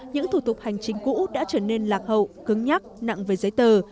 những thủ tục hành chính cũ đã trở nên lạc hậu cứng nhắc nặng về giấy tờ